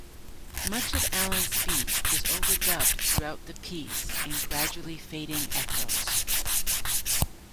Much of Alan's speech is overdubbed throughout the piece in gradually fading echoes e.g.